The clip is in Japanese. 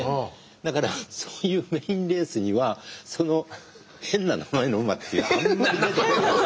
だからそういうメインレースには変な名前の馬っていうのはあんまり出てこなかった。